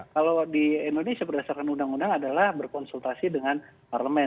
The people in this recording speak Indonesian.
kalau di indonesia berdasarkan undang undang adalah berkonsultasi dengan parlemen